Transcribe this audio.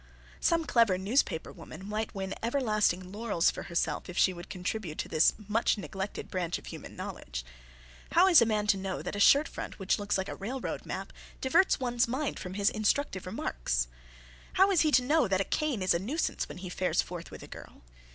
Some clever newspaper woman might win everlasting laurels for herself if she would contribute to this much neglected branch of human knowledge. How is a man to know that a shirt front which looks like a railroad map diverts one's mind from his instructive remarks? How is he to know that a cane is a nuisance when he fares forth with a girl?